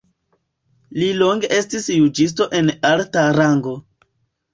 Li longe estis juĝisto en alta rango.